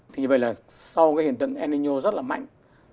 thì như vậy là sau hiện tượng nno rất là mạnh